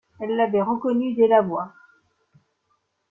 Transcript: Elle l'avait reconnu dès la voix.